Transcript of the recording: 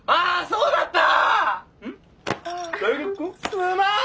すまん。